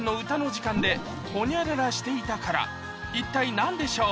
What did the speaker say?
それは一体何でしょう？